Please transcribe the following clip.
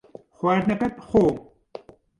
خواردنەکەت بخۆ.